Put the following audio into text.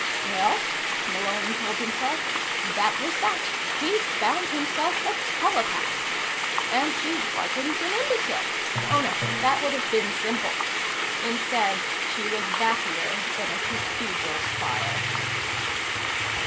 Well, Malone told himself, that was that. He'd found himself a telepath. And she wasn't an imbecile. Oh, no. That would have been simple. Instead, she was battier than a cathedral spire.